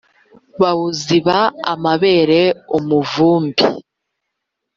bawuziba amabere umuvumbi